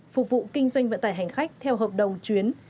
phục vụ kinh doanh vận tải hành khách theo hợp đồng chuyến